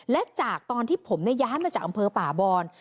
และจากตอนที่ผมย้ายมาจากอำเภอป่าบอน